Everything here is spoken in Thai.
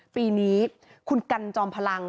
ปีนี้คุณกันจอมพลัง